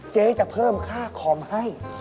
เจ๊จะเพิ่มค่าคอมให้